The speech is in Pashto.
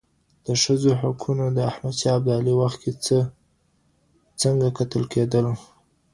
د ښځو حقونو ته په احمد شاه ابدالي وخت کي څنګه کتل کيدل؟